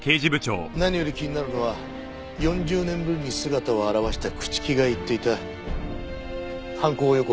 何より気になるのは４０年ぶりに姿を現した朽木が言っていた犯行予告という言葉だ。